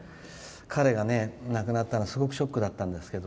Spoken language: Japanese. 彼がね、亡くなったのはすごくショックだったんですけど。